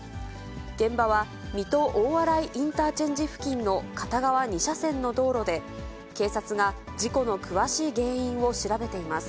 現場は水戸大洗インターチェンジ付近の片側２車線の道路で、警察が事故の詳しい原因を調べています。